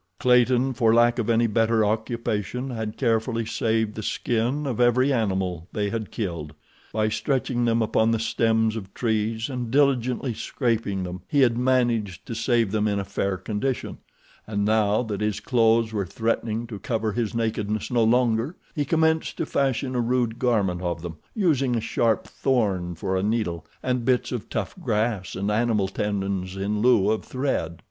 Clayton, for lack of any better occupation, had carefully saved the skin of every animal they had killed. By stretching them upon the stems of trees, and diligently scraping them, he had managed to save them in a fair condition, and now that his clothes were threatening to cover his nakedness no longer, he commenced to fashion a rude garment of them, using a sharp thorn for a needle, and bits of tough grass and animal tendons in lieu of thread.